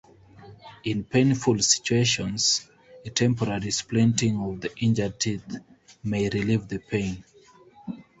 In painful situations, a temporary splinting of the injured teeth may relieve the pain.